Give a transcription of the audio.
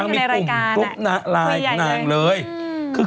มีคุณแม่มากก็ออก